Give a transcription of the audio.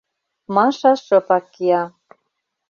Маша шыпак кия.